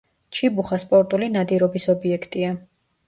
ჩიბუხა სპორტული ნადირობის ობიექტია.